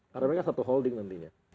karena mereka satu holding nantinya